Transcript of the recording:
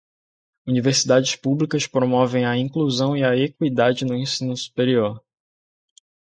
Universidades públicas promovem a inclusão e a equidade no ensino superior.